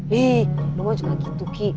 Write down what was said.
hei lu mah juga gitu kiki